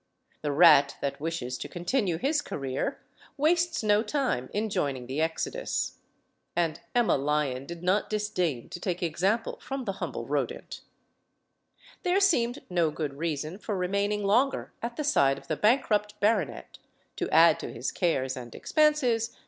The rat that wishes to continue his career wases no time in joining the exodus. And Emma Lyon did not disdain to take example from the humble rodent. There seemed no good reason for remaining longer at the side of the bankrupt baronet, to add to his cares . LADY HAMILTON and expenses.